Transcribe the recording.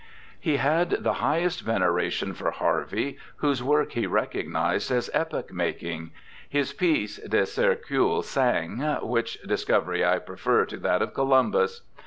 He had the highest veneration for Harvey, whose work he recog T 2 276 BIOGRAPHICAL ESSAYS nized as epoch making —' his piece, De Circul. Sang., which discovery I prefer to that of Columbus.'